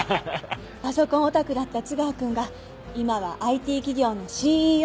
パソコンオタクだった津川くんが今はＩＴ企業のＣＥＯ。